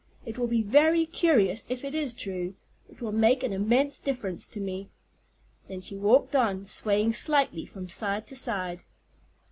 It will be very curious if it is true. It will make an immense difference to me." Then she walked on, swaying slightly from side to side.